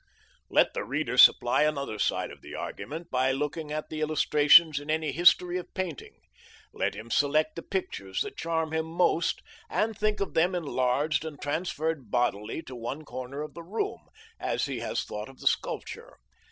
Let the reader supply another side of the argument by looking at the illustrations in any history of painting. Let him select the pictures that charm him most, and think of them enlarged and transferred bodily to one corner of the room, as he has thought of the sculpture.